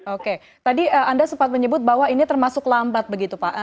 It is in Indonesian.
oke tadi anda sempat menyebut bahwa ini termasuk lambat begitu pak